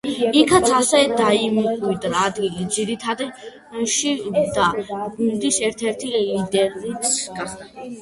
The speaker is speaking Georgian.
იქაც ასე დაიმკვიდრა ადგილი ძირითადში და გუნდის ერთ-ერთი ლიდერიც გახდა.